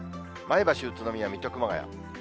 前橋、宇都宮、水戸、熊谷。